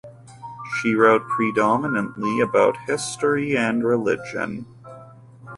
She wrote predominantly about history and religion.